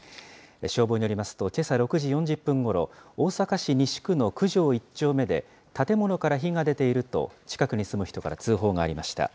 消防によりますと、けさ６時４０分ごろ、大阪市西区のくじょう１丁目で、建物から火が出ていると近くに住む人から通報がありました。